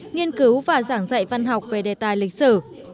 nghiên cứu và giảng dạy văn học về đề tài lịch sử